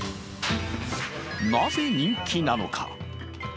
なぜ人気なのか。